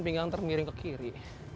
pinggang ntar miring ke kiri